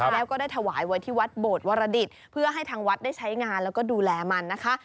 แล้วก็ได้ถวายไว้ที่วัดโบดวรดิตเพื่อให้ทางวัดได้ใช้งานแล้วก็ดูแลมันนะคะ